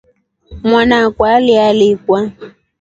Mwana akwa alialikwa.